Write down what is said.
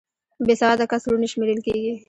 بې سواده کس ړوند شمېرل کېږي